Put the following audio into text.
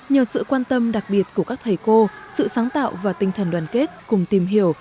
nhờ sự quan tâm đặc biệt của các thầy cô sự sáng tạo và tinh thần đoàn kết cùng tìm hiểu